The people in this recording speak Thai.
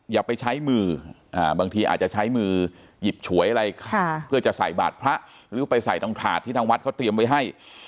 อย่าไปใช้มือบางทีอาจจะใช้มือหยิบฉวยอะไรเพื่อจะใส่บาทพระหรือไปใส่ตรงถาดที่ทางวัดเขาเตรียมไว้ให้